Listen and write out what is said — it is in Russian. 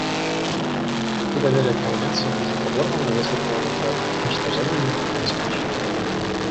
И доверие к Конвенции будет подорвано, если упомянутое уничтожение не будет обеспечено.